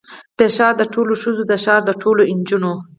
د ښار د ټولو ښځو، د ښار د ټولو نجونو